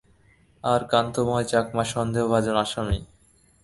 আর কান্তময় চাকমা সন্দেহভাজন আসামি।